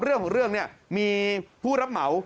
เรื่องของเรื่องเนี่ยมีผู้รับเหมา